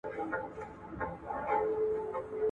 ذهني فشار د ملاتړ غوښتل ستونزمن کوي.